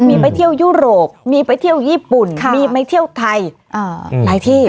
มีไปเที่ยวยุโรปมีไปเที่ยวญี่ปุ่นมีไปเที่ยวไทยหลายที่